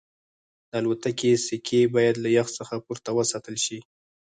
د الوتکې سکي باید له یخ څخه پورته وساتل شي